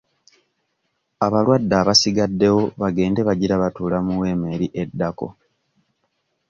Abalwadde abasigaddewo bagende bagira batuula mu weema eri eddako.